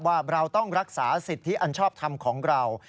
ว่าเราต้องรักษาสิทธิอันชอบทำของเรา